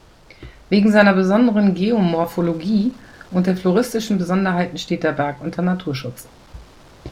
Wegen seiner besonderen Geomorphologie und der floristischen Besonderheiten steht der Berg unter Naturschutz.